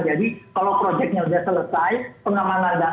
jadi kalau projectnya sudah selesai pengamanannya sudah selesai